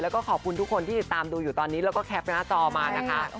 แล้วก็ขอบคุณทุกคนที่ติดตามดูอยู่ตอนนี้แล้วก็แคปหน้าจอมานะคะ